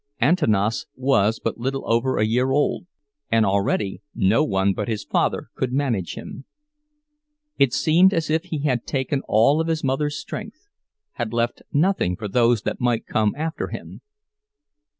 Antanas was but little over a year old, and already no one but his father could manage him. It seemed as if he had taken all of his mother's strength—had left nothing for those that might come after him.